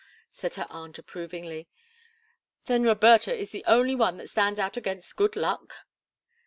said her aunt, approvingly. "Then Roberta is the only one that stands out against good luck?"